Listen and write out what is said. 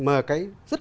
mà rất nhiều việc